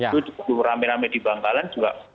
itu di rumah rame rame di bangkalan juga